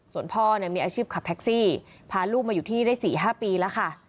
ส่วนพ่อมีอาชีพขับแท็กซี่พาลูกมาอยู่ที่ได้๔๕ปีแล้วค่ะ